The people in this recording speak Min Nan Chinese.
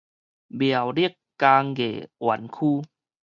苗栗工藝園區